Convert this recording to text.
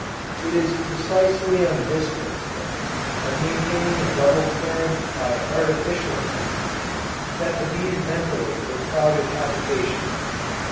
It is precisely on this principle, of maintaining a double current by artificial means, that the bees ventilate their crowded habitations.